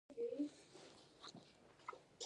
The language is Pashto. دشت کویر او دشت لوت مشهورې دي.